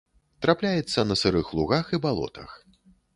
Трапляецца на сырых лугах і балотах.